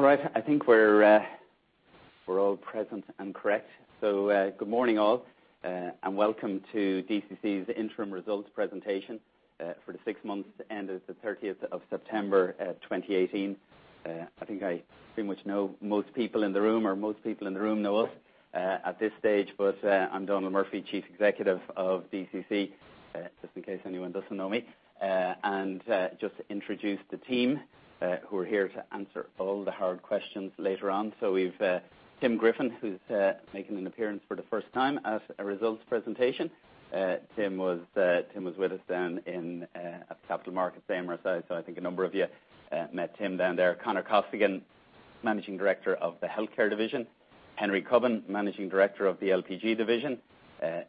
All right. I think we're all present and correct. Good morning, all, and welcome to DCC's interim results presentation for the six months ended the 30th of September 2018. I think I pretty much know most people in the room, or most people in the room know us at this stage. I am Donal Murphy, Chief Executive of DCC, just in case anyone doesn't know me. Just to introduce the team who are here to answer all the hard questions later on. We have Tim Griffin, who's making an appearance for the first time at a results presentation. Tim was with us down at the Capital Markets Day in Marseille, so I think a number of you met Tim down there. Conor Costigan, Managing Director of the healthcare division. Henry Cubbon, Managing Director of the LPG division.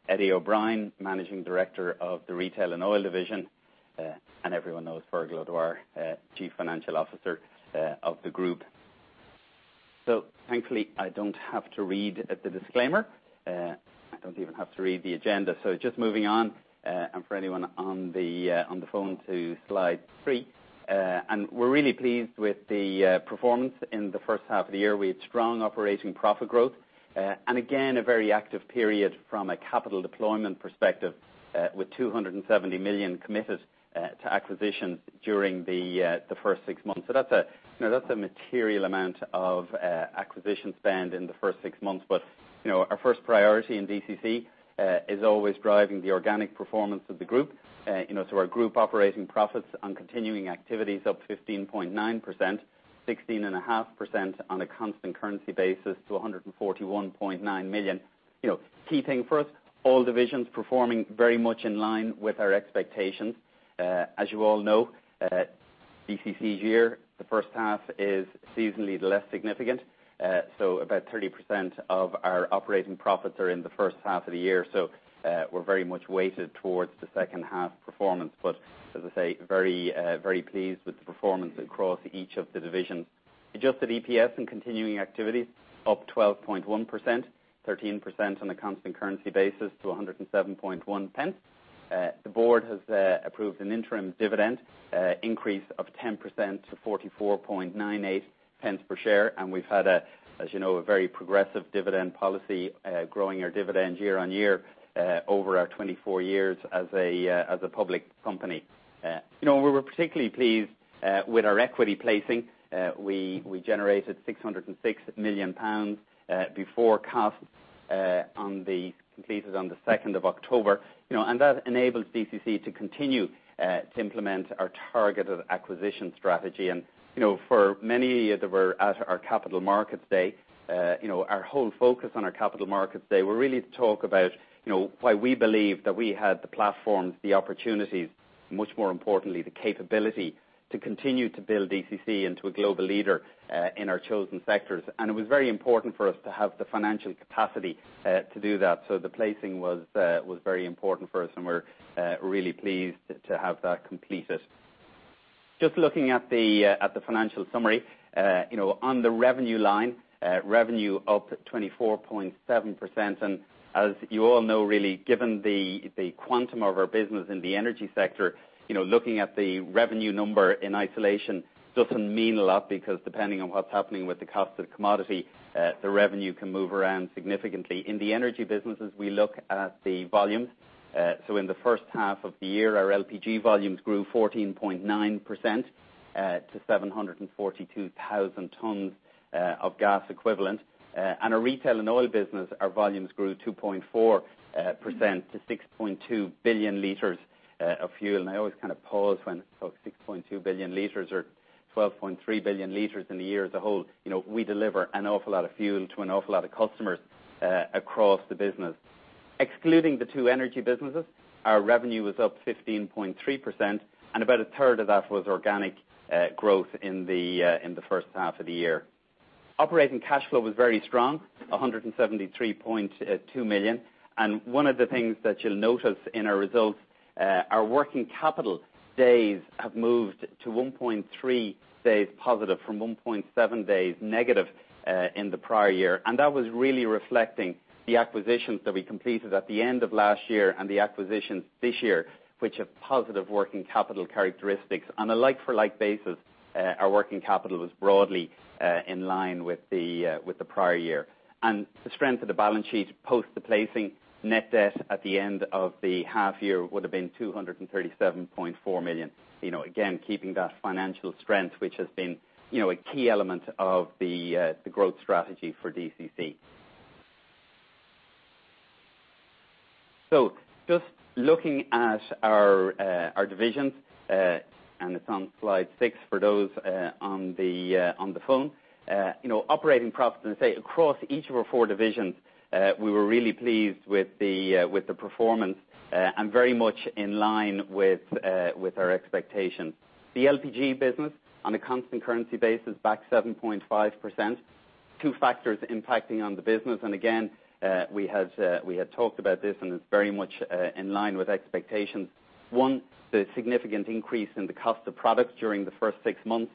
Eddie O'Brien, Managing Director of the Retail and Oil division. Everyone knows Fergal O'Dwyer, Chief Financial Officer of the group. Thankfully, I don't have to read the disclaimer. I don't even have to read the agenda. Just moving on, and for anyone on the phone, to slide three. We are really pleased with the performance in the first half of the year. We had strong operating profit growth, and again, a very active period from a capital deployment perspective, with 270 million committed to acquisitions during the first six months. That is a material amount of acquisition spend in the first six months. Our first priority in DCC is always driving the organic performance of the group. Our group operating profits on continuing activities up 15.9%, 16.5% on a constant currency basis to 141.9 million. Key thing for us, all divisions performing very much in line with our expectations. As you all know, DCC's year, the first half is seasonally the less significant. About 30% of our operating profits are in the first half of the year. We are very much weighted towards the second half performance. As I say, very pleased with the performance across each of the divisions. Adjusted EPS and continuing activities up 12.1%, 13% on a constant currency basis to 1.071. The board has approved an interim dividend increase of 10% to 0.4498 per share, and we've had, as you know, a very progressive dividend policy, growing our dividend year on year, over our 24 years as a public company. We were particularly pleased with our equity placing. We generated 606 million pounds before costs, completed on the 2nd of October. That enables DCC to continue to implement our targeted acquisition strategy. For many that were at our Capital Markets Day, our whole focus on our Capital Markets Day were really to talk about why we believe that we had the platforms, the opportunities, much more importantly, the capability to continue to build DCC into a global leader in our chosen sectors. It was very important for us to have the financial capacity to do that. The placing was very important for us, and we are really pleased to have that completed. Just looking at the financial summary. On the revenue line, revenue up 24.7%. As you all know, really, given the quantum of our business in the energy sector, looking at the revenue number in isolation doesn't mean a lot because depending on what's happening with the cost of the commodity, the revenue can move around significantly. In the energy businesses, we look at the volumes. In the first half of the year, our LPG volumes grew 14.9% to 742,000 tons of gas equivalent. Our retail and oil business, our volumes grew 2.4% to 6.2 billion liters of fuel. I always kind of pause when I talk 6.2 billion liters or 12.3 billion liters in the year as a whole. We deliver an awful lot of fuel to an awful lot of customers across the business. Excluding the two energy businesses, our revenue was up 15.3%, and about a third of that was organic growth in the first half of the year. Operating cash flow was very strong, 173.2 million. One of the things that you'll notice in our results, our working capital days have moved to 1.3 days positive from 1.7 days negative in the prior year. That was really reflecting the acquisitions that we completed at the end of last year and the acquisitions this year, which have positive working capital characteristics. On a like-for-like basis, our working capital was broadly in line with the prior year. The strength of the balance sheet post the placing, net debt at the end of the half year would have been 237.4 million. Again, keeping that financial strength, which has been a key element of the growth strategy for DCC. Just looking at our divisions, and it's on slide six for those on the phone. Operating profits across each of our four divisions, we were really pleased with the performance and very much in line with our expectations. The LPG business, on a constant currency basis, back 7.5%. Two factors impacting on the business, and again, we had talked about this, and it's very much in line with expectations. One, the significant increase in the cost of products during the first six months.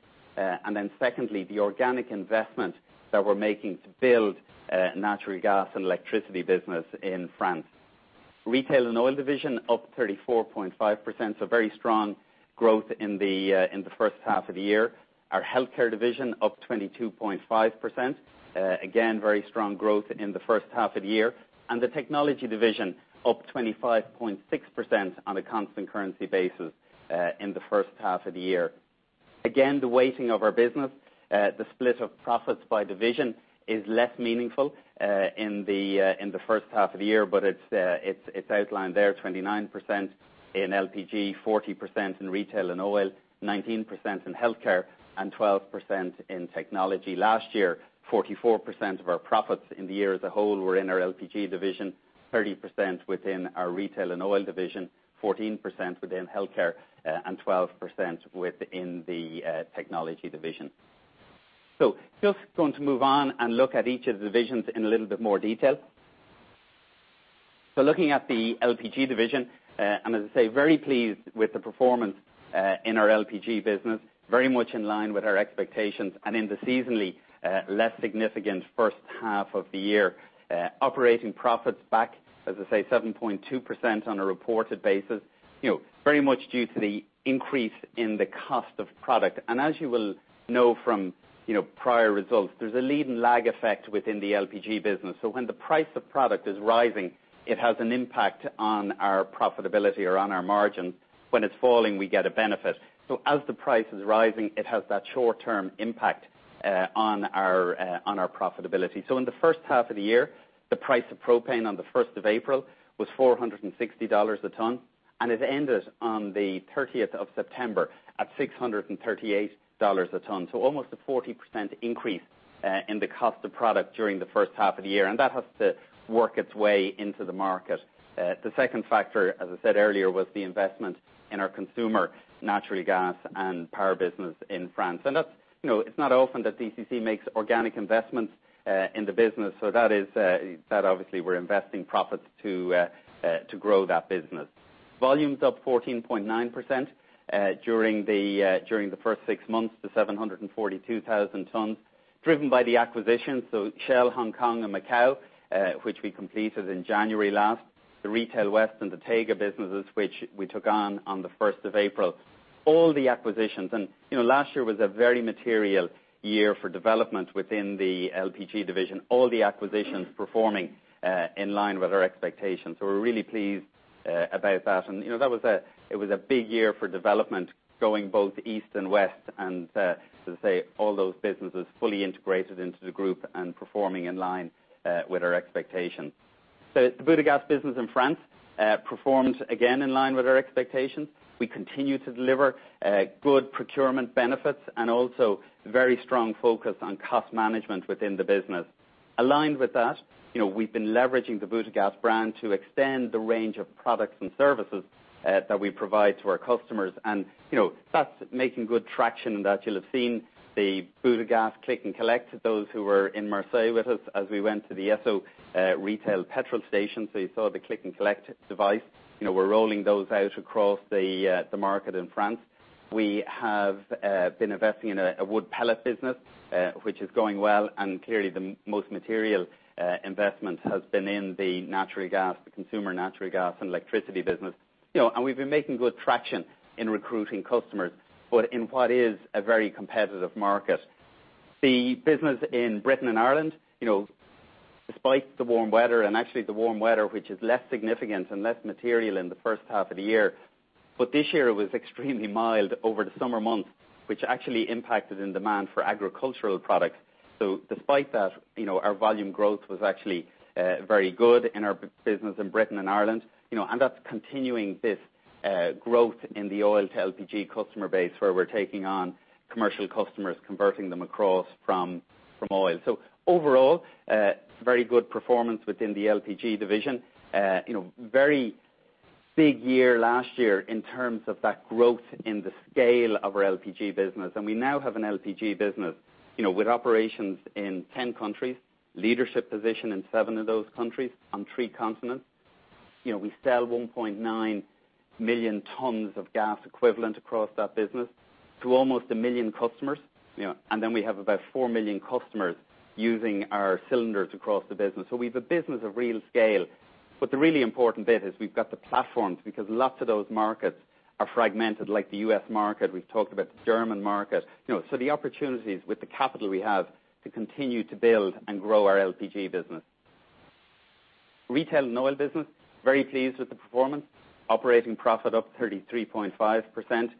Secondly, the organic investment that we're making to build natural gas and electricity business in France. Retail and oil division up 34.5%, very strong growth in the first half of the year. Our healthcare division up 22.5%. Again, very strong growth in the first half of the year. The technology division up 25.6% on a constant currency basis, in the first half of the year. Again, the weighting of our business, the split of profits by division, is less meaningful in the first half of the year, but it's outlined there, 29% in LPG, 40% in retail and oil, 19% in healthcare, and 12% in technology. Last year, 44% of our profits in the year as a whole were in our LPG division, 30% within our retail and oil division, 14% within healthcare, and 12% within the technology division. Just going to move on and look at each of the divisions in a little bit more detail. Looking at the LPG division, very pleased with the performance in our LPG business, very much in line with our expectations. In the seasonally less significant first half of the year, operating profits back 7.2% on a reported basis. Very much due to the increase in the cost of product. As you will know from prior results, there's a lead and lag effect within the LPG business. When the price of product is rising, it has an impact on our profitability or on our margin. When it's falling, we get a benefit. As the price is rising, it has that short-term impact on our profitability. In the first half of the year, the price of propane on the 1st of April was 460 dollars a ton, and it ended on the 30th of September at 638 dollars a ton. Almost a 40% increase in the cost of product during the first half of the year. That has to work its way into the market. The second factor, as I said earlier, was the investment in our consumer natural gas and power business in France. It's not often that DCC makes organic investments in the business, that obviously we're investing profits to grow that business. Volumes up 14.9% during the first six months to 742,000 tons, driven by the acquisition, Shell Hong Kong and Macau, which we completed in January last. The Retail West and the TEGA businesses, which we took on on the 1st of April. All the acquisitions. Last year was a very material year for development within the LPG division. All the acquisitions performing in line with our expectations. We're really pleased about that. It was a big year for development going both east and west and as I say, all those businesses fully integrated into the group and performing in line with our expectations. The Butagaz business in France performed again in line with our expectations. We continue to deliver good procurement benefits and also very strong focus on cost management within the business. Aligned with that, we've been leveraging the Butagaz brand to extend the range of products and services that we provide to our customers. That's making good traction in that you'll have seen the Butagaz Click & Collect, those who were in Marseille with us as we went to the Esso retail petrol station. You saw the Click & Collect device. We're rolling those out across the market in France. We have been investing in a wood pellet business, which is going well, and clearly the most material investment has been in the natural gas, the consumer natural gas and electricity business. We've been making good traction in recruiting customers, but in what is a very competitive market. The business in Britain and Ireland, despite the warm weather and actually the warm weather, which is less significant and less material in the first half of the year. This year it was extremely mild over the summer months, which actually impacted in demand for agricultural products. Despite that, our volume growth was actually very good in our business in Britain and Ireland. That's continuing this growth in the oil to LPG customer base, where we're taking on commercial customers, converting them across from oil. Overall, very good performance within the LPG division. Very big year last year in terms of that growth in the scale of our LPG business. We now have an LPG business with operations in 10 countries, leadership position in seven of those countries on three continents. We sell 1.9 million tons of gas equivalent across that business to almost a million customers. We have about four million customers using our cylinders across the business. We've a business of real scale. The really important bit is we've got the platforms because lots of those markets are fragmented, like the U.S. market. We've talked about the German market. The opportunities with the capital we have to continue to build and grow our LPG business. Retail and Oil business, very pleased with the performance. Operating profit up 33.5%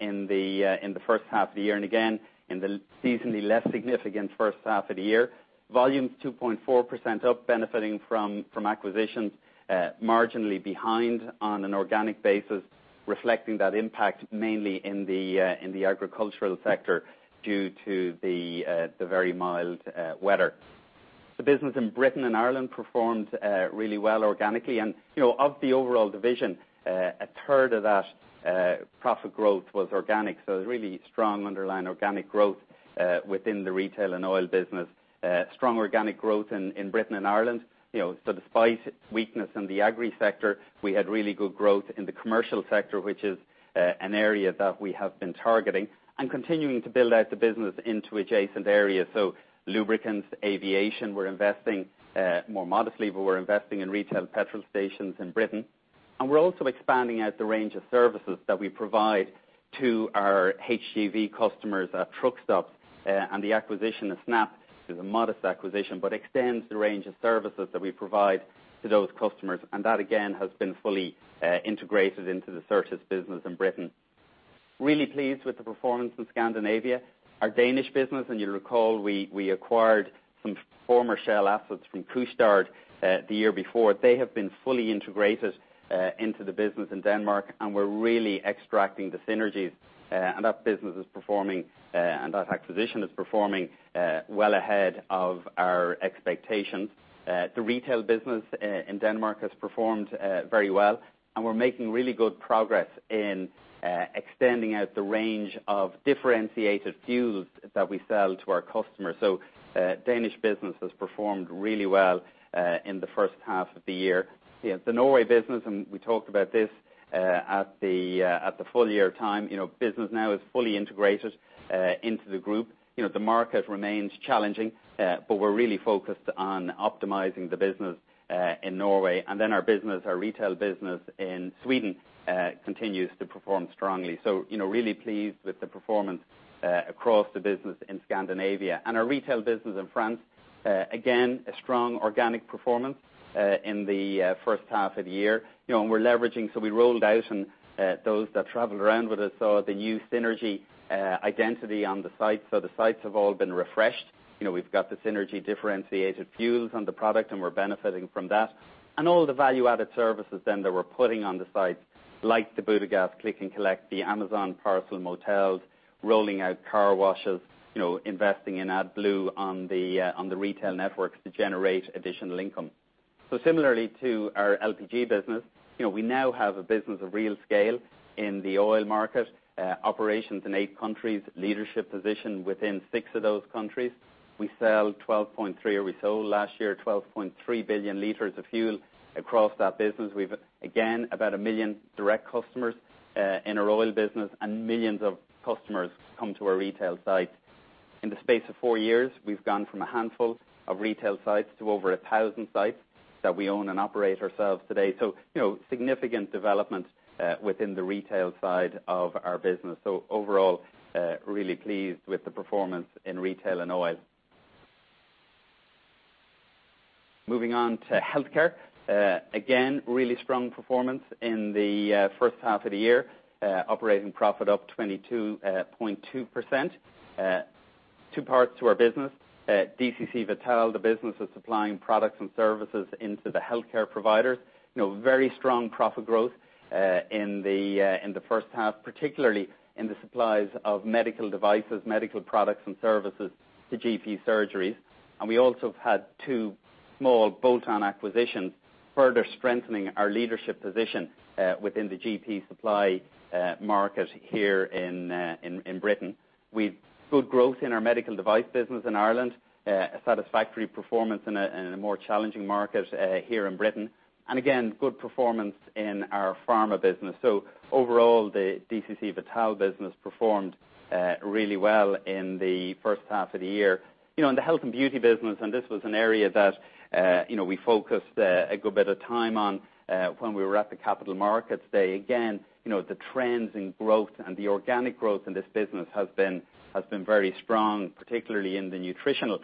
in the first half of the year, and again, in the seasonally less significant first half of the year. Volumes 2.4% up, benefiting from acquisitions marginally behind on an organic basis, reflecting that impact mainly in the agricultural sector due to the very mild weather. The business in Britain and Ireland performed really well organically, and of the overall division, a third of that profit growth was organic. Really strong underlying organic growth within the Retail and Oil business. Strong organic growth in Britain and Ireland. Despite weakness in the agri sector, we had really good growth in the commercial sector, which is an area that we have been targeting and continuing to build out the business into adjacent areas. Lubricants, aviation, we're investing more modestly, but we're investing in retail petrol stations in Britain. And we're also expanding out the range of services that we provide to our HGV customers at truck stops. The acquisition of Snap is a modest acquisition, but extends the range of services that we provide to those customers. That, again, has been fully integrated into the services business in Britain. Really pleased with the performance in Scandinavia. Our Danish business, and you'll recall, we acquired some former Shell assets from Couche-Tard the year before. They have been fully integrated into the business in Denmark, and we're really extracting the synergies, that acquisition is performing well ahead of our expectations. The retail business in Denmark has performed very well, and we're making really good progress in extending out the range of differentiated fuels that we sell to our customers. Danish business has performed really well in the first half of the year. The Norway business, we talked about this at the full-year time, business now is fully integrated into the group. The market remains challenging, but we're really focused on optimizing the business in Norway. Our retail business in Sweden continues to perform strongly. Really pleased with the performance across the business in Scandinavia. Our retail business in France, again, a strong organic performance in the first half of the year. We rolled out, and those that traveled around with us saw the new Synergy identity on the site. The sites have all been refreshed. We've got the Synergy differentiated fuels on the product, and we're benefiting from that. All the value-added services then that we're putting on the sites, like the Butagaz Click & Collect, the Amazon parcel motels, rolling out car washes, investing in AdBlue on the retail network to generate additional income. Similarly to our LPG business, we now have a business of real scale in the oil market. Operations in 8 countries, leadership position within 6 of those countries. We sold last year 12.3 billion liters of fuel across that business. We've, again, about 1 million direct customers in our oil business, and millions of customers come to our retail sites. In the space of four years, we've gone from a handful of retail sites to over 1,000 sites that we own and operate ourselves today. Significant development within the retail side of our business. Overall, really pleased with the performance in retail and oil. Moving on to healthcare. Again, really strong performance in the first half of the year. Operating profit up 22.2%. Two parts to our business. DCC Vital, the business of supplying products and services into the healthcare providers. Very strong profit growth in the first half, particularly in the supplies of medical devices, medical products and services to GP surgeries. We also have had two small bolt-on acquisitions, further strengthening our leadership position within the GP supply market here in Britain. We've good growth in our medical device business in Ireland, a satisfactory performance in a more challenging market here in Britain. Again, good performance in our pharma business. Overall, the DCC Vital business performed really well in the first half of the year. In the health and beauty business, this was an area that we focused a good bit of time on when we were at the Capital Markets Day, again, the trends in growth and the organic growth in this business has been very strong, particularly in the nutritional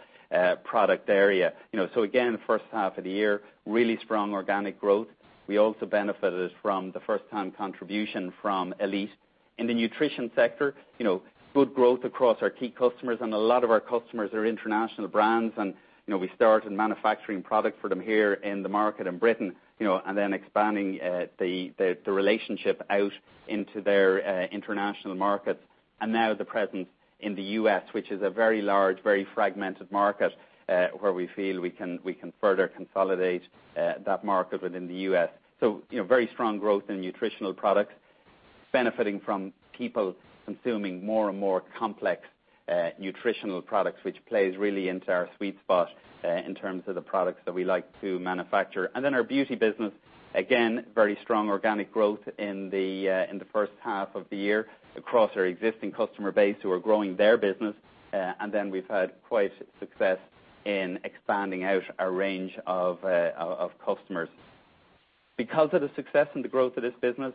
product area. Again, first half of the year, really strong organic growth. We also benefited from the first-time contribution from Elite. In the nutrition sector, good growth across our key customers, a lot of our customers are international brands, we started manufacturing product for them here in the market in Britain, then expanding the relationship out into their international markets. Now the presence in the U.S., which is a very large, very fragmented market, where we feel we can further consolidate that market within the U.S. Very strong growth in nutritional products, benefiting from people consuming more and more complex nutritional products, which plays really into our sweet spot in terms of the products that we like to manufacture. Then our beauty business, again, very strong organic growth in the first half of the year across our existing customer base who are growing their business. Then we've had quite success in expanding out our range of customers. Because of the success and the growth of this business,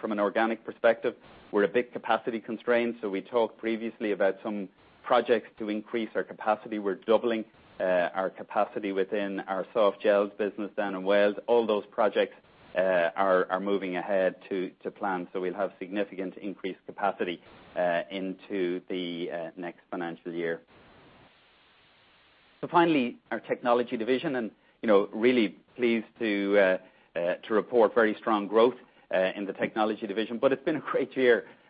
from an organic perspective, we're a bit capacity-constrained. We talked previously about some projects to increase our capacity. We're doubling our capacity within our soft gels business down in Wales. All those projects are moving ahead to plan. We'll have significant increased capacity into the next financial year. Finally, our technology division, really pleased to report very strong growth in the technology division. It's been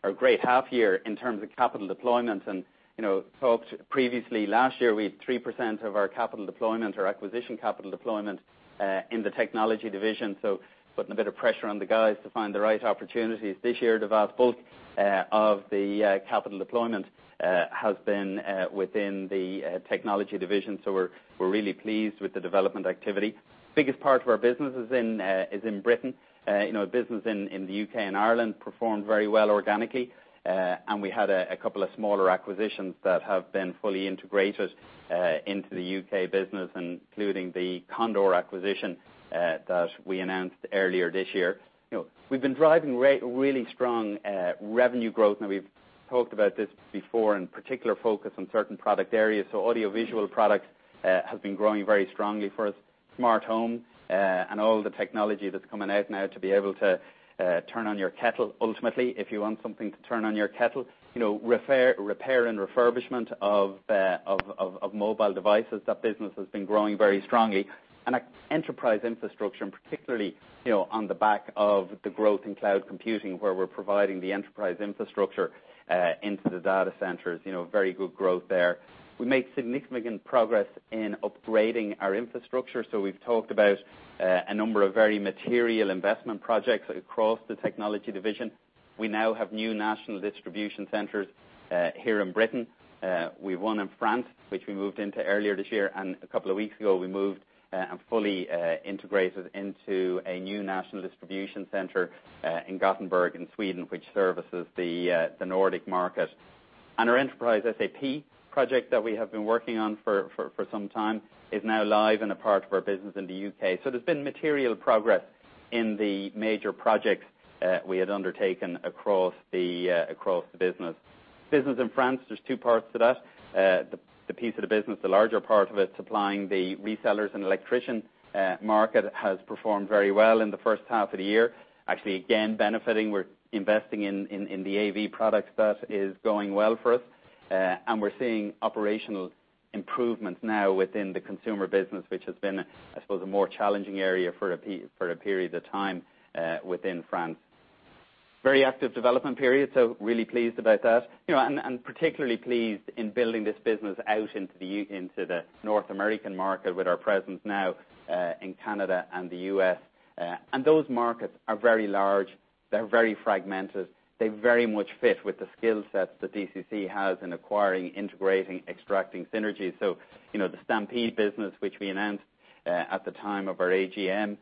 a great half-year in terms of capital deployment, talked previously, last year we had 3% of our capital deployment or acquisition capital deployment in the technology division. Putting a bit of pressure on the guys to find the right opportunities. This year, the vast bulk of the capital deployment has been within the technology division. We're really pleased with the development activity. Biggest part of our business is in Britain. Our business in the U.K. and Ireland performed very well organically. We had a couple of smaller acquisitions that have been fully integrated into the U.K. business, including the Kondor acquisition that we announced earlier this year. We've been driving really strong revenue growth, we've talked about this before, particular focus on certain product areas. Audiovisual products have been growing very strongly for us. Smart home, and all the technology that's coming out now to be able to turn on your kettle ultimately, if you want something to turn on your kettle. Repair and refurbishment of mobile devices, that business has been growing very strongly. Enterprise infrastructure, particularly on the back of the growth in cloud computing, where we're providing the enterprise infrastructure into the data centers, very good growth there. We made significant progress in upgrading our infrastructure. We've talked about a number of very material investment projects across the technology division. We now have new national distribution centers here in Britain. We've one in France, which we moved into earlier this year. A couple of weeks ago, we moved and fully integrated into a new national distribution center in Gothenburg, in Sweden, which services the Nordic market. Our enterprise SAP project that we have been working on for some time is now live in a part of our business in the U.K. There's been material progress in the major projects we had undertaken across the business. Business in France, there's two parts to that. The piece of the business, the larger part of it, supplying the resellers and electrician market, has performed very well in the first half of the year. Actually, again, benefiting, we're investing in the AV products. That is going well for us. We're seeing operational improvements now within the consumer business, which has been, I suppose, a more challenging area for a period of time within France. Very active development period, really pleased about that. Particularly pleased in building this business out into the North American market with our presence now in Canada and the U.S. Those markets are very large. They're very fragmented. They very much fit with the skill sets that DCC has in acquiring, integrating, extracting synergies. The Stampede business, which we announced at the time of our AGM,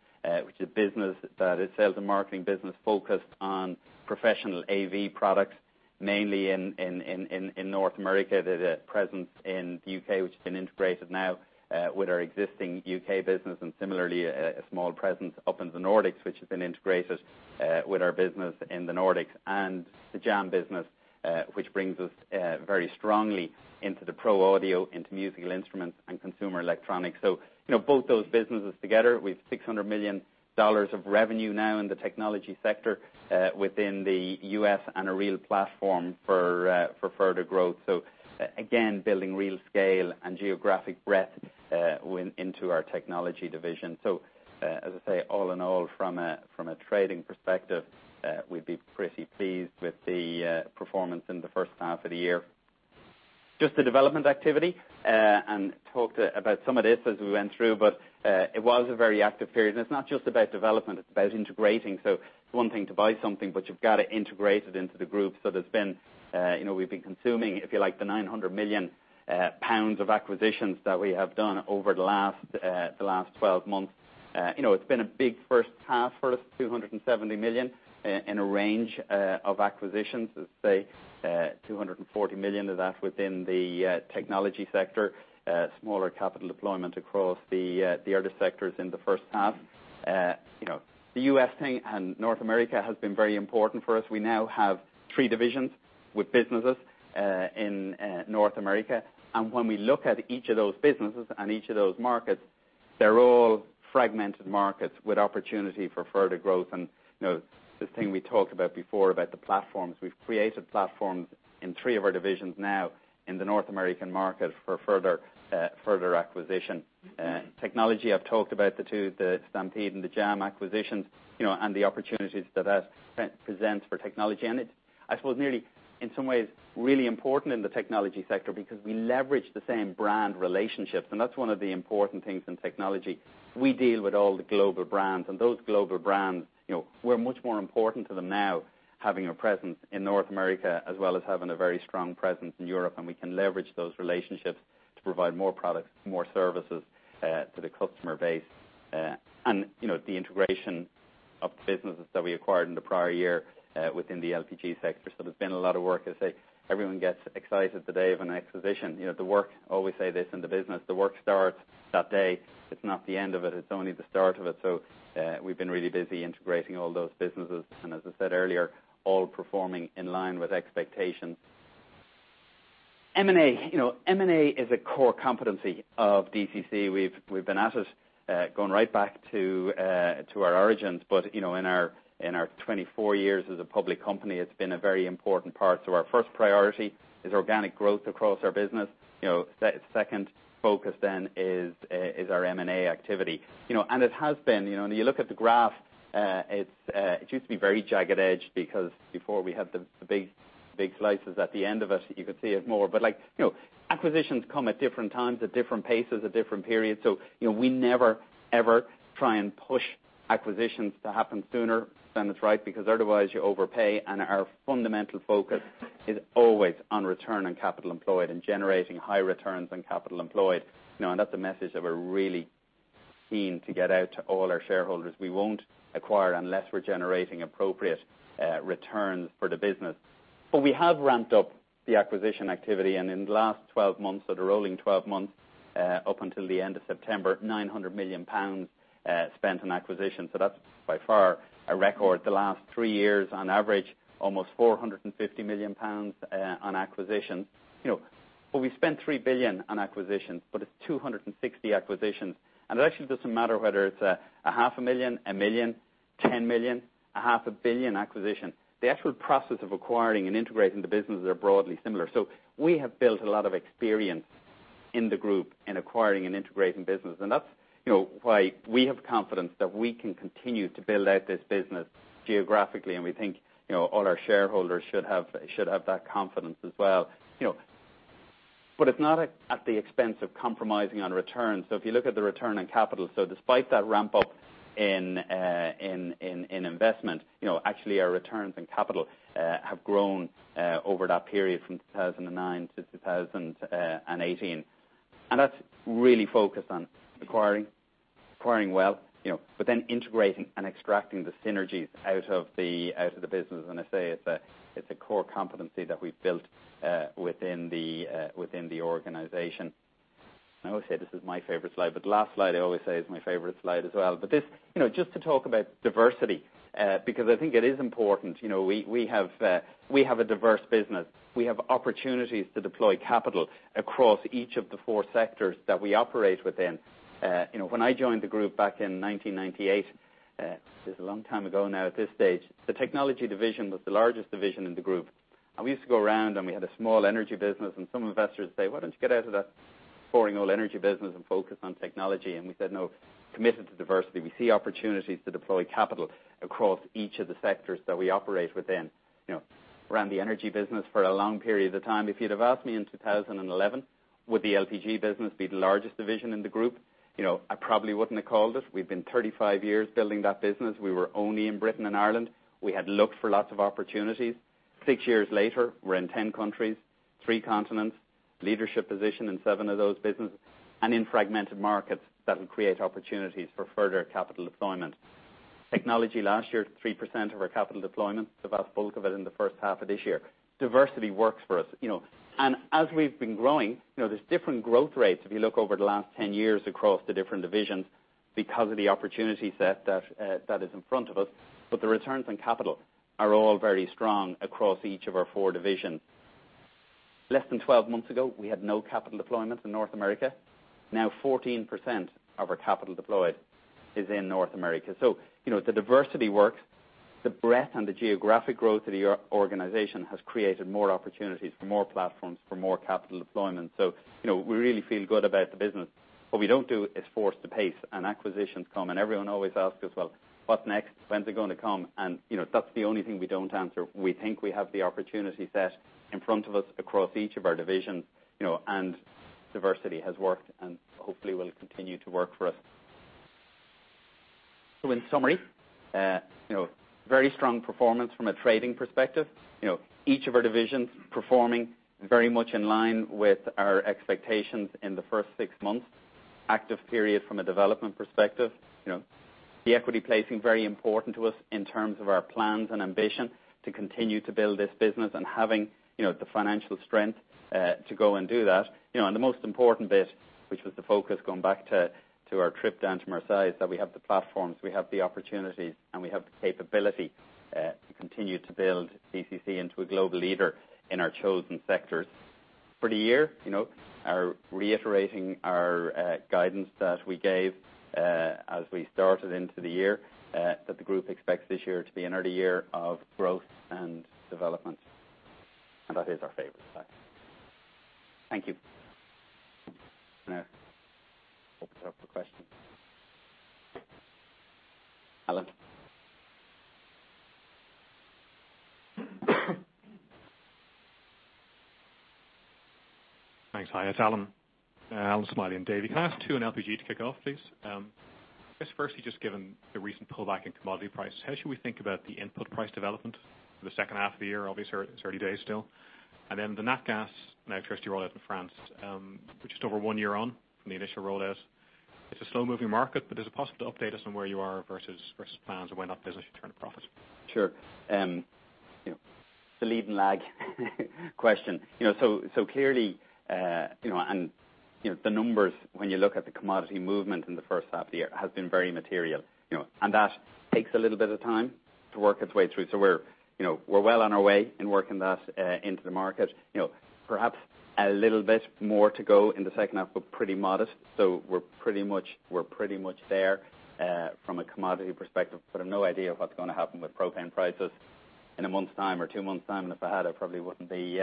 which is a sales and marketing business focused on professional AV products, mainly in North America. They had a presence in the U.K., which has been integrated now with our existing U.K. business. Similarly, a small presence up in the Nordics, which has been integrated with our business in the Nordics. The Jam business, which brings us very strongly into the pro audio, into musical instruments and consumer electronics. Both those businesses together with GBP 600 million of revenue now in the technology sector within the U.S., a real platform for further growth. Again, building real scale and geographic breadth into our technology division. As I say, all in all, from a trading perspective, we'd be pretty pleased with the performance in the first half of the year. Just the development activity, talked about some of this as we went through, it was a very active period. It's not just about development, it's about integrating. It's one thing to buy something, you've got to integrate it into the group. We've been consuming, if you like, the 900 million pounds of acquisitions that we have done over the last 12 months. It's been a big first half for us, 270 million in a range of acquisitions. 240 million of that within the technology sector, smaller capital deployment across the other sectors in the first half. The U.S. thing and North America has been very important for us. We now have three divisions with businesses in North America. When we look at each of those businesses and each of those markets, they're all fragmented markets with opportunity for further growth. This thing we talked about before about the platforms. We've created platforms in three of our divisions now in the North American market for further acquisition. Technology, I've talked about the two, the Stampede and the Jam Group acquisitions, and the opportunities that that presents for technology. It's, I suppose nearly, in some ways, really important in the technology sector because we leverage the same brand relationships. That's one of the important things in technology. We deal with all the global brands. Those global brands, we're much more important to them now, having a presence in North America, as well as having a very strong presence in Europe. We can leverage those relationships to provide more products, more services to the customer base. The integration of businesses that we acquired in the prior year within the LPG sector. There's been a lot of work. Everyone gets excited the day of an acquisition. The work, I always say this in the business, starts that day. It's not the end of it. It's only the start of it. We've been really busy integrating all those businesses. As I said earlier, all performing in line with expectations. M&A is a core competency of DCC. We've been at it going right back to our origins. In our 24 years as a public company, it's been a very important part. Our first priority is organic growth across our business. Second focus is our M&A activity. It has been, when you look at the graph, it used to be very jagged edge because before we had the big slices at the end of it, you could see it more. Acquisitions come at different times, at different paces, at different periods. We never, ever try and push acquisitions to happen sooner than is right, because otherwise you overpay. Our fundamental focus is always on return on capital employed and generating high returns on capital employed. That's a message that we're really keen to get out to all our shareholders. We won't acquire unless we're generating appropriate returns for the business. We have ramped up the acquisition activity, and in the last 12 months, or the rolling 12 months up until the end of September, 900 million pounds spent on acquisitions. That's by far a record. The last three years, on average, almost 450 million pounds on acquisition. We've spent 3 billion on acquisitions, but it's 260 acquisitions. It actually doesn't matter whether it's a half a million, a million, 10 million, a half a billion acquisition. The actual process of acquiring and integrating the businesses are broadly similar. We have built a lot of experience in the group in acquiring and integrating business. That's why we have confidence that we can continue to build out this business geographically, and we think all our shareholders should have that confidence as well. It's not at the expense of compromising on returns. If you look at the return on capital, despite that ramp-up in investment, actually our returns on capital have grown over that period from 2009 to 2018. That's really focused on acquiring well but then integrating and extracting the synergies out of the business. I say it's a core competency that we've built within the organization. I always say this is my favorite slide, but the last slide I always say is my favorite slide as well. Just to talk about diversity, because I think it is important. We have a diverse business. We have opportunities to deploy capital across each of the four sectors that we operate within. When I joined the group back in 1998, this is a long time ago now at this stage, the DCC Technology division was the largest division in the group. We used to go around, and we had a small energy business, and some investors would say, "Why don't you get out of that boring old energy business and focus on technology?" We said, "No. We're committed to diversity." We see opportunities to deploy capital across each of the sectors that we operate within. Ran the energy business for a long period of time. If you'd have asked me in 2011, would the DCC LPG business be the largest division in the group? I probably wouldn't have called it. We've been 35 years building that business. We were only in Britain and Ireland. We had looked for lots of opportunities. Six years later, we're in 10 countries, three continents, leadership position in seven of those businesses, and in fragmented markets that will create opportunities for further capital deployment. DCC Technology last year, 3% of our capital deployment, the vast bulk of it in the first half of this year. Diversity works for us. As we've been growing, there's different growth rates if you look over the last 10 years across the different divisions because of the opportunity set that is in front of us. The returns on capital are all very strong across each of our four divisions. Less than 12 months ago, we had no capital deployment in North America. Now 14% of our capital deployed is in North America. The diversity works. The breadth and the geographic growth of the organization has created more opportunities for more platforms, for more capital deployment. We really feel good about the business. What we don't do is force the pace, and acquisitions come, and everyone always asks us, "Well, what's next? When's it going to come?" That's the only thing we don't answer. We think we have the opportunity set in front of us across each of our divisions, and diversity has worked and hopefully will continue to work for us. In summary, very strong performance from a trading perspective. Each of our divisions performing very much in line with our expectations in the first six months. Active period from a development perspective. The equity placing very important to us in terms of our plans and ambition to continue to build this business and having the financial strength to go and do that. The most important bit, which was the focus going back to our trip down to Marseille, that we have the platforms, we have the opportunities, and we have the capability to continue to build DCC into a global leader in our chosen sectors. For the year, reiterating our guidance that we gave as we started into the year, that the group expects this year to be another year of growth and development. That is our favorite slide. Thank you. Open it up for questions. Alan? Thanks. Hi, it's Alan. Alan Smylie in Davy. Can I ask two on LPG to kick off, please? I guess firstly, just given the recent pullback in commodity prices, how should we think about the input price development for the second half of the year? Obviously, it's early days still. Then the Nat Gas and electricity rollout in France, we're just over one year on from the initial rollout. It's a slow-moving market, but is it possible to update us on where you are versus plans and when that business should turn a profit? Sure. The lead and lag question. Clearly, and the numbers when you look at the commodity movement in the first half of the year, has been very material. That takes a little bit of time to work its way through. We're well on our way in working that into the market. Perhaps a little bit more to go in the second half, but pretty modest. We're pretty much there from a commodity perspective. I've no idea what's going to happen with propane prices in a month's time or two months' time. If I had, I probably wouldn't be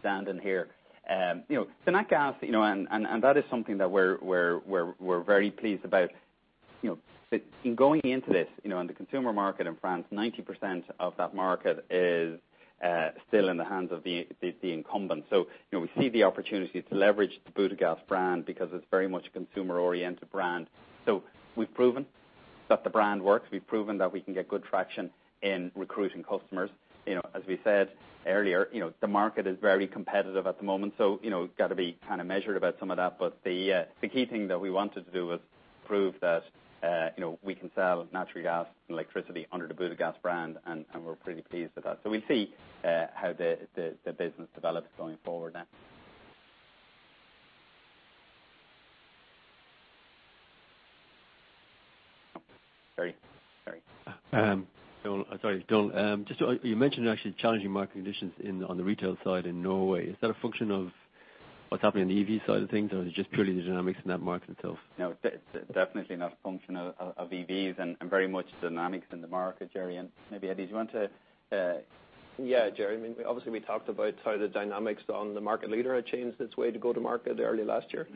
standing here. Nat Gas, and that is something that we're very pleased about. In going into this, in the consumer market in France, 90% of that market is still in the hands of the incumbent. We see the opportunity to leverage the Butagaz brand because it's very much a consumer-oriented brand. We've proven that the brand works. We've proven that we can get good traction in recruiting customers. As we said earlier, the market is very competitive at the moment, so got to be kind of measured about some of that. The key thing that we wanted to do was prove that we can sell natural gas and electricity under the Butagaz brand, and we're pretty pleased with that. We'll see how the business develops going forward now. Gerry? Sorry. Sorry, Don. You mentioned actually challenging market conditions on the retail side in Norway. Is that a function of what's happening on the EV side of things, or is it just purely the dynamics in that market itself? No, definitely not a function of EVs and very much dynamics in the market, Gerry, and maybe Eddie, do you want to- Yeah, Gerry, obviously we talked about how the dynamics on the market leader had changed its way to go to market early last year.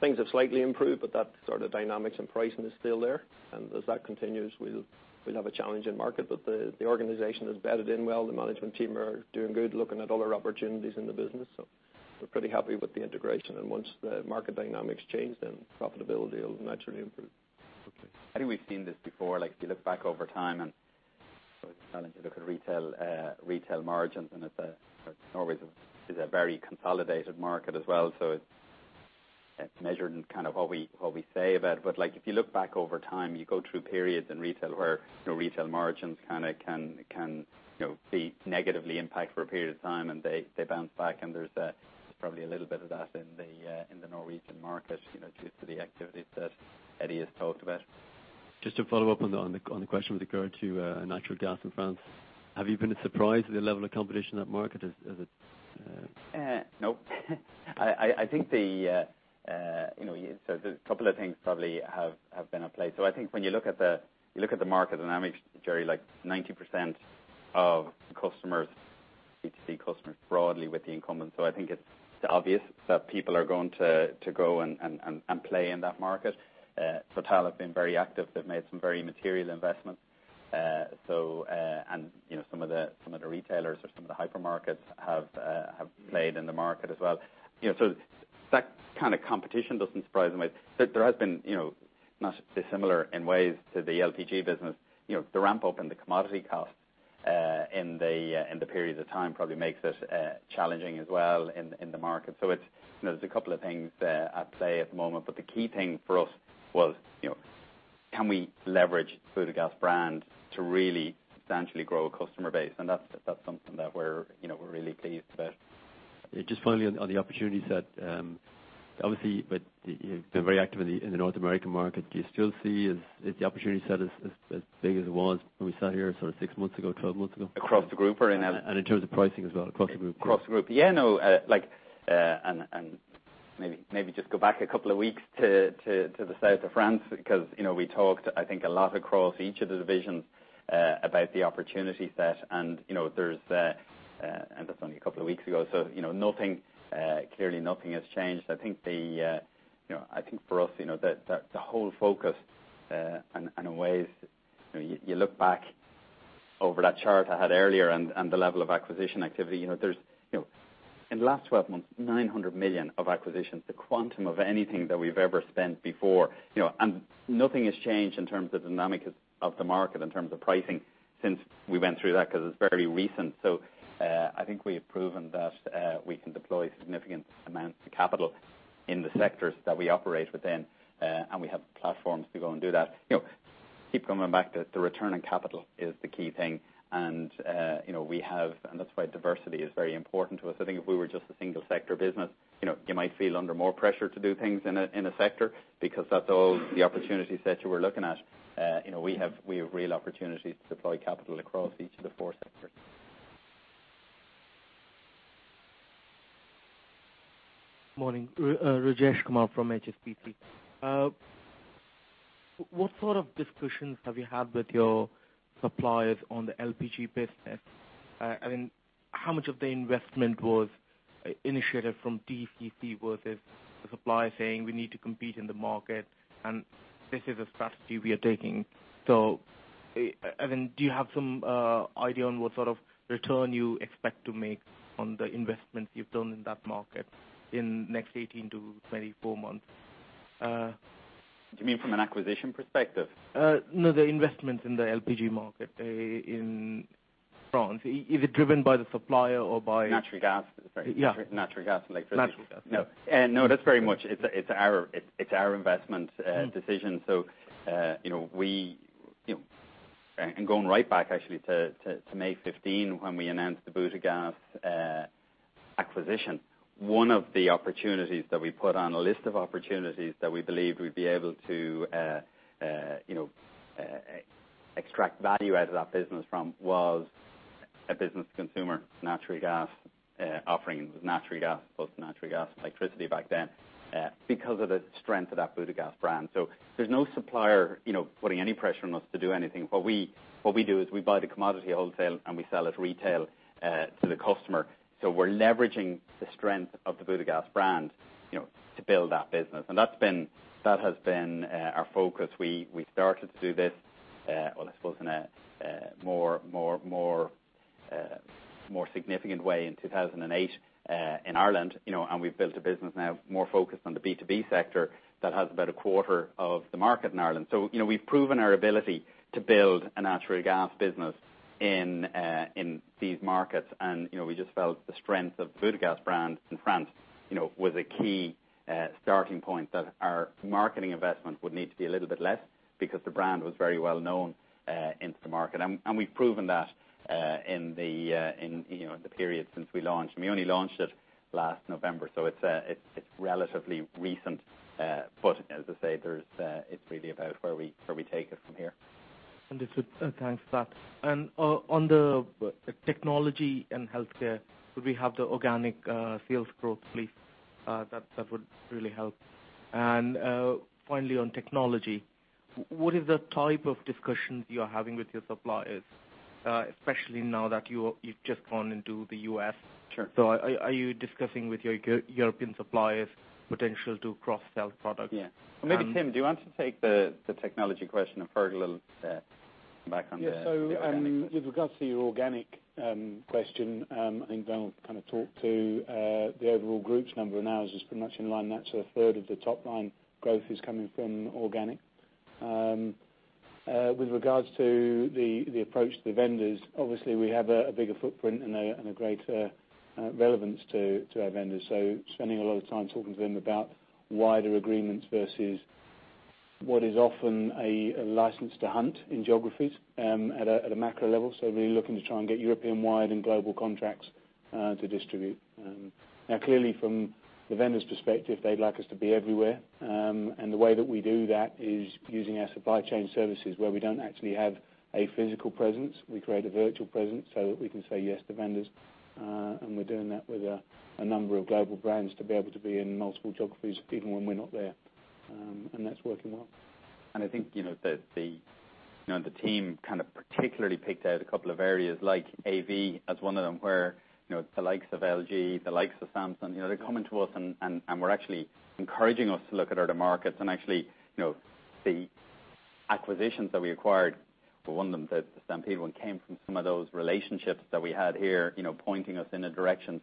Things have slightly improved, but that sort of dynamics and pricing is still there. As that continues, we'll have a challenge in market. The organization has bedded in well. The management team are doing good, looking at other opportunities in the business. We're pretty happy with the integration. Once the market dynamics change, then profitability will naturally improve. I think we've seen this before, if you look back over time and look at retail margins, and Norway is a very consolidated market as well, so it's measured in kind of what we say about. If you look back over time, you go through periods in retail where retail margins kind of can be negatively impacted for a period of time and they bounce back, and there's probably a little bit of that in the Norwegian market due to the activities that Eddie has talked about. Just to follow up on the question with regard to natural gas in France, have you been as surprised at the level of competition in that market? No. A couple of things probably have been at play. I think when you look at the market dynamics, Gerry, like 90% of the customers, B2C customers broadly with the incumbent. I think it's obvious that people are going to go and play in that market. Total have been very active. They've made some very material investments. Some of the retailers or some of the hypermarkets have played in the market as well. That kind of competition doesn't surprise me. There has been, not dissimilar in ways to the LPG business, the ramp-up in the commodity costs in the periods of time probably makes it challenging as well in the market. There's a couple of things at play at the moment, the key thing for us was can we leverage Butagaz brand to really substantially grow a customer base? That's something that we're really pleased about. Just finally on the opportunity set. Obviously, you've been very active in the North American market. Do you still see the opportunity set as big as it was when we sat here sort of six months ago, 12 months ago? Across the group or in-? In terms of pricing as well, across the group. Across the group. Yeah, Maybe just go back a couple of weeks to the south of France, because we talked, I think, a lot across each of the divisions about the opportunity set. That's only a couple of weeks ago. Clearly nothing has changed. I think for us, the whole focus, in ways, you look back over that chart I had earlier and the level of acquisition activity. In the last 12 months, 900 million of acquisitions, the quantum of anything that we've ever spent before. Nothing has changed in terms of dynamics of the market, in terms of pricing since we went through that, because it's very recent. I think we have proven that we can deploy significant amounts of capital in the sectors that we operate within, and we have platforms to go and do that. Keep coming back to the return on capital is the key thing. That's why diversity is very important to us. I think if we were just a single-sector business, you might feel under more pressure to do things in a sector because that's all the opportunities that you are looking at. We have real opportunities to deploy capital across each of the four sectors. Morning. Rajesh Kumar from HSBC. What sort of discussions have you had with your suppliers on the LPG business? How much of the investment was initiated from DCC versus the supplier saying, "We need to compete in the market, This is the strategy we are taking." Do you have some idea on what sort of return you expect to make on the investments you've done in that market in the next 18 to 24 months? Do you mean from an acquisition perspective? No, the investments in the LPG market in France, is it driven by the supplier or. Natural gas? Yeah. Natural gas and electricity. Natural gas. No, it's our investment decision. Going right back actually to May 2015, when we announced the Butagaz acquisition, one of the opportunities that we put on a list of opportunities that we believed we'd be able to extract value out of that business from was a business consumer natural gas offering. It was natural gas, both natural gas and electricity back then, because of the strength of that Butagaz brand. There's no supplier putting any pressure on us to do anything. What we do is we buy the commodity wholesale, and we sell it retail to the customer. We're leveraging the strength of the Butagaz brand to build that business. That has been our focus. We started to do this, well, I suppose in a more significant way in 2008 in Ireland, we've built a business now more focused on the B2B sector that has about a quarter of the market in Ireland. We've proven our ability to build a natural gas business in these markets, we just felt the strength of Butagaz brand in France was a key starting point, that our marketing investment would need to be a little bit less because the brand was very well known in the market. We've proven that in the period since we launched, we only launched it last November, it's relatively recent. As I say, it's really about where we take it from here. Thanks for that. On the technology and healthcare, could we have the organic sales growth, please? That would really help. Finally on technology, what is the type of discussions you're having with your suppliers, especially now that you've just gone into the U.S.? Sure. Are you discussing with your European suppliers potential to cross-sell products? Yeah. Maybe Tim, do you want to take the technology question and Fergal a little back on the organic? Yeah. With regards to your organic question, I think Donal kind of talked to the overall group's number, and ours is pretty much in line. Actually a third of the top-line growth is coming from organic. With regards to the approach to the vendors, obviously we have a bigger footprint and a greater relevance to our vendors, spending a lot of time talking to them about wider agreements versus what is often a license to hunt in geographies at a macro level. Really looking to try and get European-wide and global contracts to distribute. Now clearly from the vendor's perspective, they'd like us to be everywhere. The way that we do that is using our supply chain services where we don't actually have a physical presence. We create a virtual presence so that we can say yes to vendors, and we're doing that with a number of global brands to be able to be in multiple geographies even when we're not there. That's working well. I think the team kind of particularly picked out a couple of areas like AV as one of them, where the likes of LG, the likes of Samsung, they're coming to us and were actually encouraging us to look at other markets. Actually the acquisitions that we acquired, well, one of them, the Stampede one, came from some of those relationships that we had here pointing us in a direction.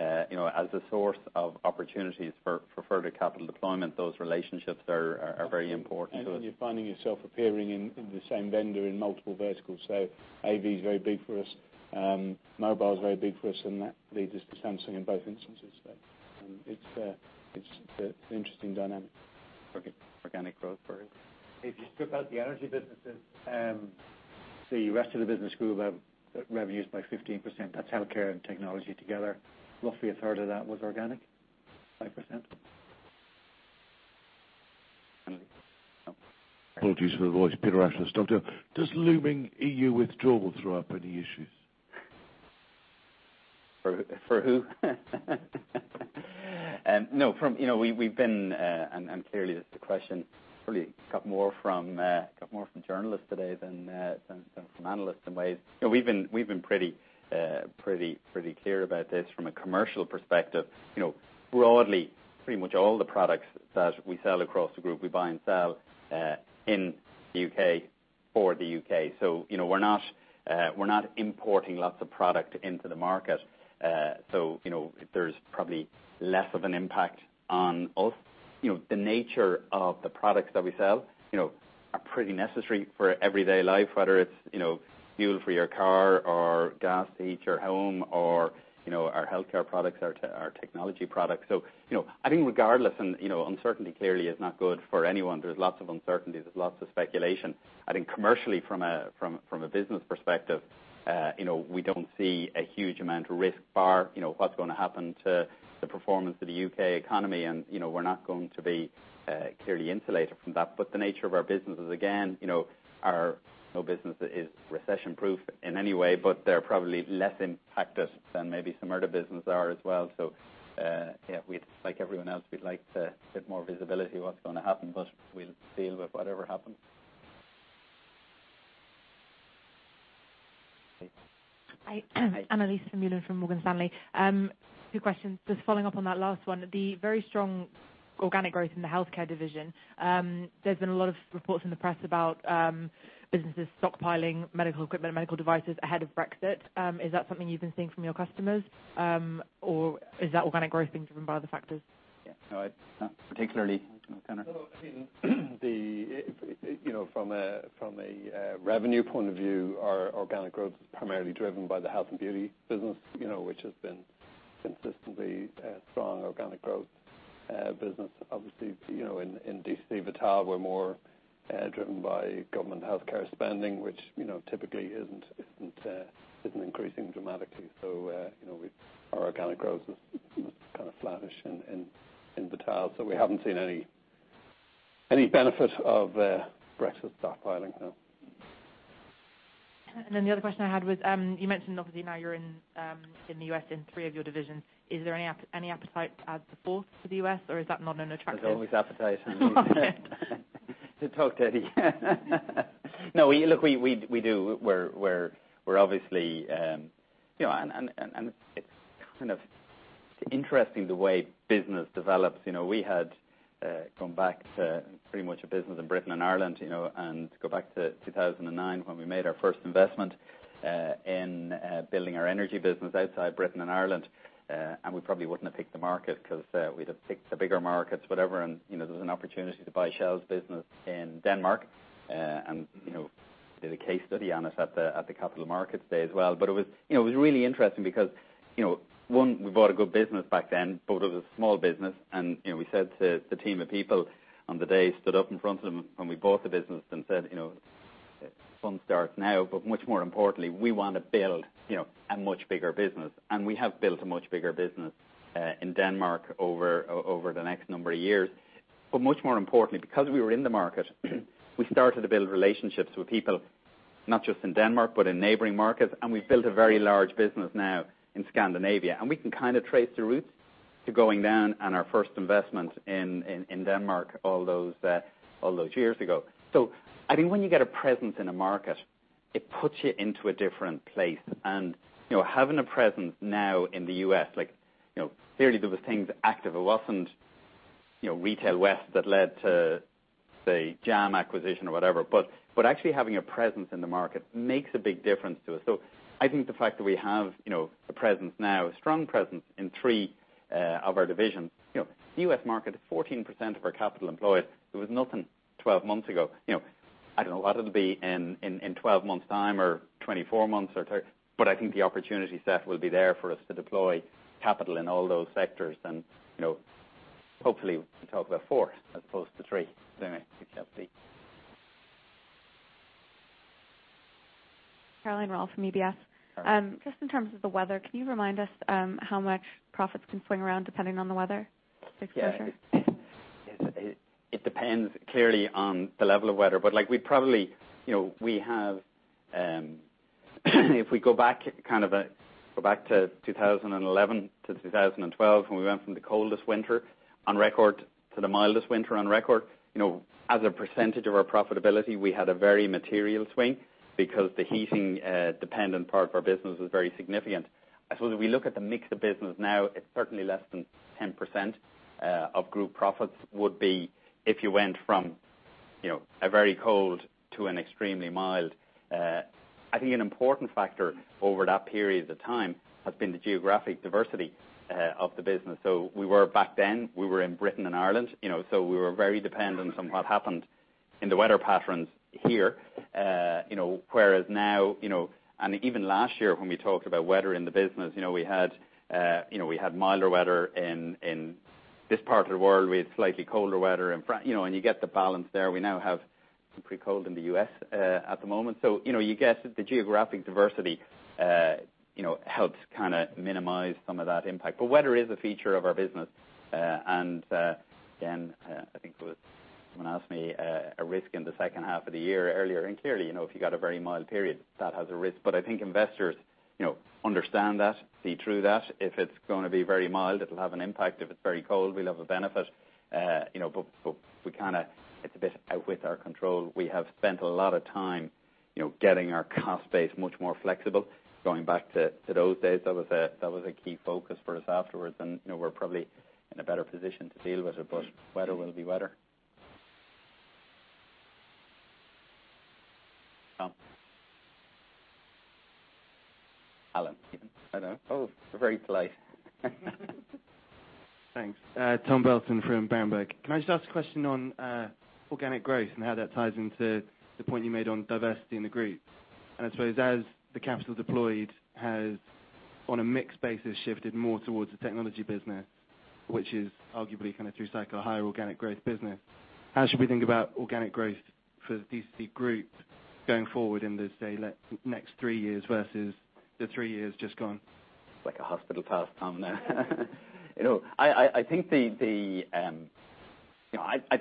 As a source of opportunities for further capital deployment, those relationships are very important to us. You're finding yourself appearing in the same vendor in multiple verticals. AV is very big for us. Mobile is very big for us, and that leads us to Samsung in both instances. It's an interesting dynamic. Organic growth, Fergal? If you strip out the energy businesses, the rest of the business grew revenues by 15%. That's Healthcare and Technology together. Roughly a third of that was organic, 5%. Apologies for the voice. Peter Ashton, Stifel. Does looming EU withdrawal throw up any issues? For who? No. Clearly that's the question probably got more from journalists today than from analysts in ways. We've been pretty clear about this from a commercial perspective. Broadly, pretty much all the products that we sell across the group, we buy and sell in the U.K. for the U.K. We're not importing lots of product into the market. There's probably less of an impact on us. The nature of the products that we sell are pretty necessary for everyday life, whether it's fuel for your car or gas to heat your home or our healthcare products, our technology products. I think regardless, uncertainty clearly is not good for anyone. There's lots of uncertainties. There's lots of speculation. I think commercially from a business perspective, we don't see a huge amount of risk, bar what's going to happen to the performance of the U.K. economy. We're not going to be clearly insulated from that. The nature of our businesses, again, no business is recession-proof in any way, but they're probably less impacted than maybe some other businesses are as well. Like everyone else, we'd like a bit more visibility of what's going to happen, but we'll deal with whatever happens. Great. Hi. Annelies from Vermeulen, from Morgan Stanley. Two questions. Just following up on that last one, the very strong organic growth in the healthcare division. There's been a lot of reports in the press about businesses stockpiling medical equipment and medical devices ahead of Brexit. Is that something you've been seeing from your customers? Or is that organic growth being driven by other factors? Yeah. No, not particularly. Do you want to, Conor? I think from a revenue point of view, our organic growth is primarily driven by the health and beauty business, which has been consistently a strong organic growth business. Obviously, in DCC Vital, we're more driven by government healthcare spending, which typically isn't increasing dramatically. Our organic growth is kind of flattish in Vital. We haven't seen any benefit of Brexit stockpiling, no. The other question I had was, you mentioned obviously now you're in the U.S. in three of your divisions. Is there any appetite to add the fourth to the U.S., or is that not an attractive- There's always appetite. Okay. To talk to Eddie. We do. We're obviously. It's interesting the way business develops. We had gone back to pretty much a business in Britain and Ireland. Go back to 2009 when we made our first investment in building our energy business outside Britain and Ireland. We probably wouldn't have picked the market because we'd have picked the bigger markets, whatever. There was an opportunity to buy Shell's business in Denmark, and did a case study on it at the Capital Markets Day as well. It was really interesting because, one, we bought a good business back then, but it was a small business, and we said to the team of people on the day, stood up in front of them when we bought the business and said, "Fun starts now." Much more importantly, we want to build a much bigger business. We have built a much bigger business in Denmark over the next number of years. Much more importantly, because we were in the market, we started to build relationships with people, not just in Denmark but in neighboring markets, and we've built a very large business now in Scandinavia. We can kind of trace the roots to going down and our first investment in Denmark all those years ago. I think when you get a presence in a market, it puts you into a different place. Having a presence now in the U.S., clearly there were things active. It wasn't Retail West that led to, say, Jam acquisition or whatever. Actually having a presence in the market makes a big difference to us. I think the fact that we have a presence now, a strong presence in three of our divisions. The U.S. market is 14% of our capital employed. It was nothing 12 months ago. I don't know what it'll be in 12 months time or 24 months, but I think the opportunity, Seth, will be there for us to deploy capital in all those sectors. Hopefully we can talk about four as opposed to three next year. Caroline Rohlfs from UBS. Caroline. Just in terms of the weather, can you remind us how much profits can swing around depending on the weather? It's a big feature. It depends, clearly, on the level of weather. If we go back to 2011 to 2012, when we went from the coldest winter on record to the mildest winter on record, as a percentage of our profitability, we had a very material swing because the heating-dependent part of our business was very significant. I suppose if we look at the mix of business now, it's certainly less than 10% of group profits would be if you went from a very cold to an extremely mild. I think an important factor over that period of time has been the geographic diversity of the business. Back then we were in Britain and Ireland, so we were very dependent on what happened in the weather patterns here. Whereas now, and even last year when we talked about weather in the business, we had milder weather in this part of the world. We had slightly colder weather in France, and you get the balance there. We now have some pretty cold in the U.S. at the moment. You get the geographic diversity helps kind of minimize some of that impact. Weather is a feature of our business. Again, I think someone asked me a risk in the second half of the year earlier, and clearly, if you got a very mild period, that has a risk. But I think investors understand that, see through that. If it's going to be very mild, it'll have an impact. If it's very cold, we'll have a benefit. It's a bit out with our control. We have spent a lot of time getting our cost base much more flexible. Going back to those days, that was a key focus for us afterwards, and we're probably in a better position to deal with it. Weather will be weather. Tom. Alan. Hello. Oh, very polite. Thanks. Tom Burlton from Berenberg. Can I just ask a question on organic growth and how that ties into the point you made on diversity in the group? I suppose as the capital deployed has, on a mixed basis, shifted more towards the technology business, which is arguably kind of through cycle, a higher organic growth business, how should we think about organic growth for DCC group going forward in this, say, next three years versus the three years just gone? It's like a hospital pass, Tom, there. I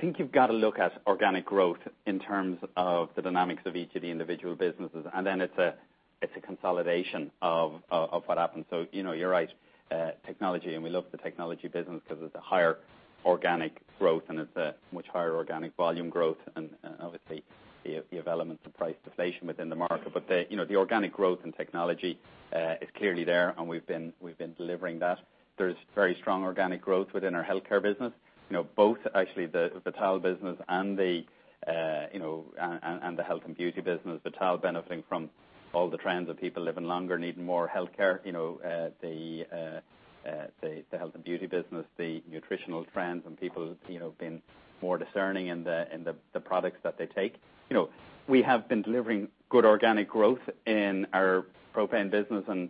think you've got to look at organic growth in terms of the dynamics of each of the individual businesses, then it's a consolidation of what happens. You're right, technology, we love the technology business because it's a higher organic growth, it's a much higher organic volume growth and obviously you have elements of price deflation within the market. The organic growth in technology is clearly there, we've been delivering that. There's very strong organic growth within our healthcare business. Both actually the Vital business and the health and beauty business, the Vital benefiting from all the trends of people living longer, needing more healthcare. The health and beauty business, the nutritional trends, people being more discerning in the products that they take. We have been delivering good organic growth in our propane business and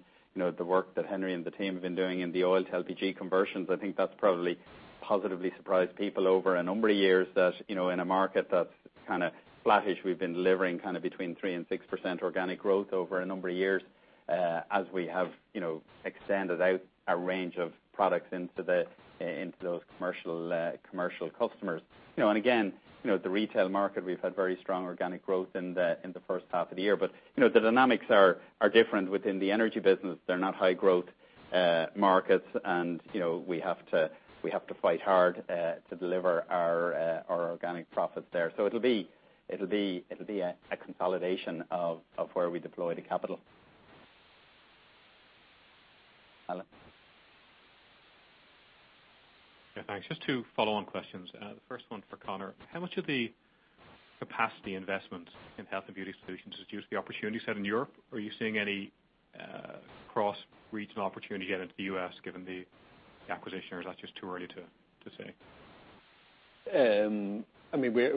the work that Henry and the team have been doing in the oil to LPG conversions. I think that's probably positively surprised people over a number of years that in a market that's kind of flattish, we've been delivering kind of between three and 6% organic growth over a number of years as we have extended out our range of products into those commercial customers. Again, the retail market, we've had very strong organic growth in the first half of the year. The dynamics are different within the energy business. They're not high growth markets, we have to fight hard to deliver our organic profits there. It'll be a consolidation of where we deploy the capital Yeah, thanks. Just two follow-on questions. The first one for Conor. How much of the capacity investment in health and beauty solutions is due to the opportunities out in Europe? Are you seeing any cross-regional opportunity yet into the U.S. given the acquisition, or is that just too early to say?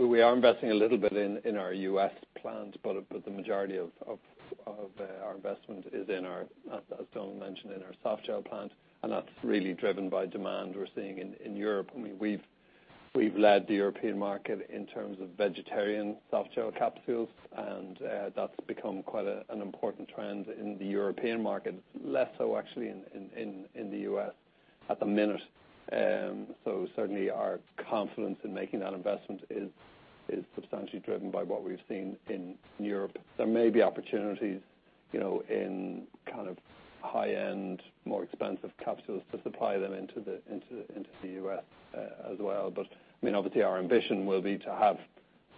We are investing a little bit in our U.S. plant, but the majority of our investment is, as Donal mentioned, in our softgel plant, and that's really driven by demand we're seeing in Europe. We've led the European market in terms of vegetarian softgel capsules, and that's become quite an important trend in the European market, less so actually in the U.S. at the minute. Certainly our confidence in making that investment is substantially driven by what we've seen in Europe. There may be opportunities in kind of high-end, more expensive capsules to supply them into the U.S. as well. Obviously, our ambition will be to have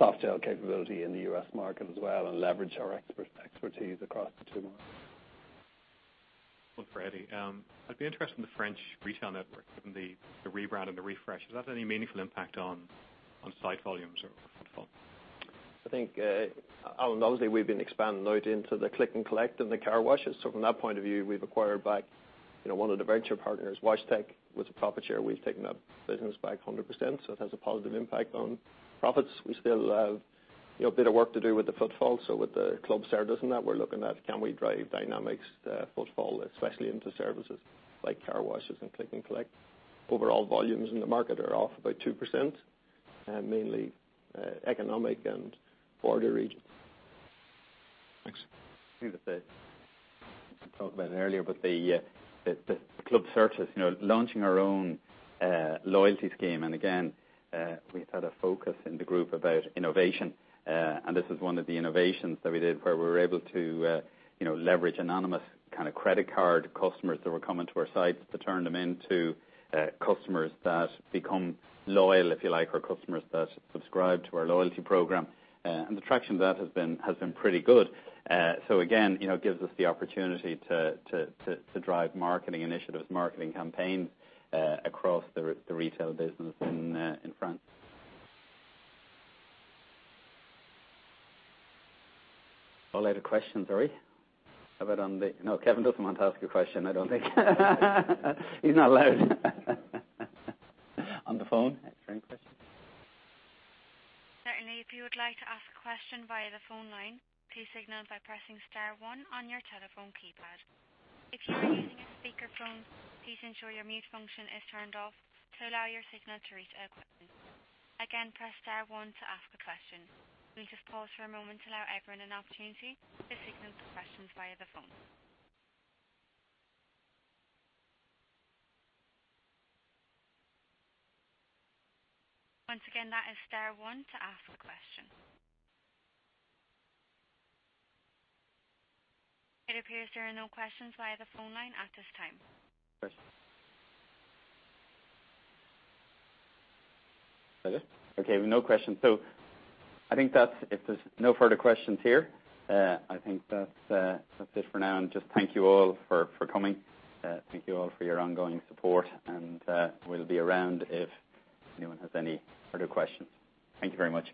softgel capability in the U.S. market as well and leverage our expertise across the two markets. One for Eddie. I'd be interested in the French retail network and the rebrand and the refresh. Has that had any meaningful impact on site volumes or footfall? I think, Alan, obviously, we've been expanding out into the click and collect and the car washes. From that point of view, we've acquired back one of the venture partners, WashTec, with a profit share. We've taken that business back 100%, so it has a positive impact on profits. We still have a bit of work to do with the footfall. With the Club Certas and that, we're looking at can we drive dynamics footfall, especially into services like car washes and click and collect. Overall volumes in the market are off by 2%, mainly economic and border region. Thanks. We talked about it earlier, the Club Certas, launching our own loyalty scheme. Again, we've had a focus in the group about innovation. This is one of the innovations that we did where we were able to leverage anonymous credit card customers that were coming to our sites to turn them into customers that become loyal, if you like, or customers that subscribe to our loyalty program. The traction of that has been pretty good. Again, it gives us the opportunity to drive marketing initiatives, marketing campaigns across the retail business in France. No other questions, are we? How about on the Kevin doesn't want to ask a question, I don't think. He's not allowed. On the phone, are there any questions? Certainly. If you would like to ask a question via the phone line, please signal by pressing star one on your telephone keypad. If you are using a speakerphone, please ensure your mute function is turned off to allow your signal to reach the equipment. Again, press star one to ask a question. We'll just pause for a moment to allow everyone an opportunity to signal for questions via the phone. Once again, that is star one to ask a question. It appears there are no questions via the phone line at this time. Okay. We've no questions. I think if there's no further questions here, I think that's it for now, and just thank you all for coming. Thank you all for your ongoing support, and we'll be around if anyone has any further questions. Thank you very much.